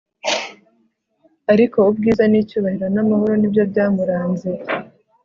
ariko ubwiza n'icyubahiro n'amahoro ni byo byamuranze